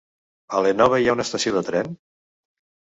A l'Énova hi ha estació de tren?